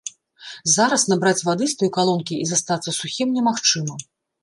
Зараз набраць вады з той калонкі і застацца сухім немагчыма.